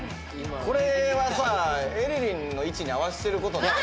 これはさえりりんの１に合わせてる事ない？